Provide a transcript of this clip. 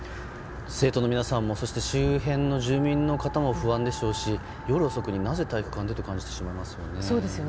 生徒の皆さんも周辺の住民の方も不安でしょうし夜遅くになぜ体育館でと感じてしまいますよね。